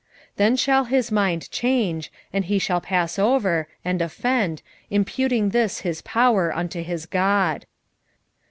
1:11 Then shall his mind change, and he shall pass over, and offend, imputing this his power unto his god.